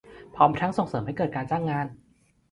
พร้อมทั้งส่งเสริมให้เกิดการจ้างงาน